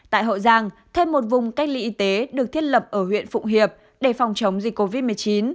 tại hậu giang thêm một vùng cách ly y tế được thiết lập ở huyện phụng hiệp để phòng chống dịch covid một mươi chín